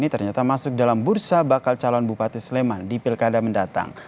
ternyata masuk dalam bursa bakal calon bupati sleman di pilkada mendatang